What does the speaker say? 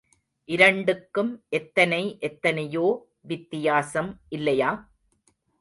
இரண்டுக்கும் எத்தனை எத்தனையோ வித்தியாசம் இல்லையா?...